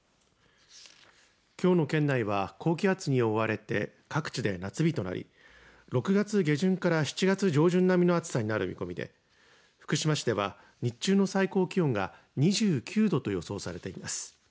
きょうの県内は高気圧に覆われて各地で夏日となり６月下旬から７月上旬並みの暑さになる見込みで福島市では日中の最高気温が２９度と予想されています。